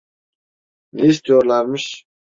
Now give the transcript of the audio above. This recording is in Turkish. Ne istiyorlarmış?